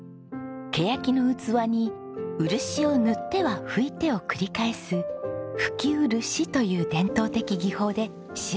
ケヤキの器に漆を塗っては拭いてを繰り返す拭き漆という伝統的技法で仕上げた器です。